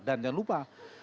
dan jangan lupa